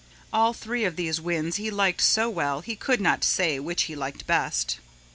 All three of these winds he liked so well he could not say which he liked best.